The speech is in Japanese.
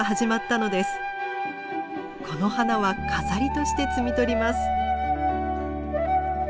この花は飾りとして摘み取ります。